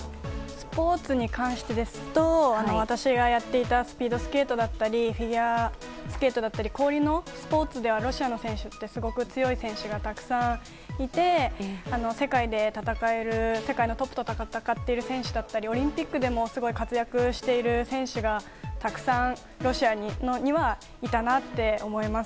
スポーツに関してですと私がやっていたスピードスケートだったりフィギュアスケートだったり氷のスポーツではロシアの選手ってすごく強い選手がたくさんいて世界のトップで戦っている選手だったりオリンピックでもすごく活躍している選手がたくさんロシアにはいたなって思います。